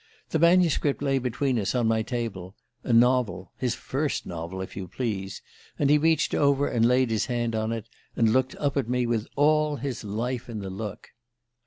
The manuscript lay between us, on my table a novel, his first novel, if you please! and he reached over and laid his hand on it, and looked up at me with all his life in the look.